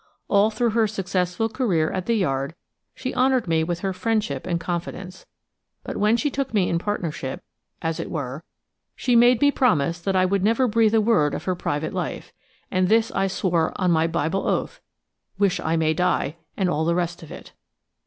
All through her successful career at the Yard she honoured me with her friendship and confidence, but when she took me in partnership, as it were, she made me promise that I would never breathe a word of her private life, and this I swore on my Bible oath–"wish I may die," and all the rest of it.